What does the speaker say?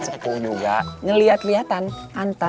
cok buat fatin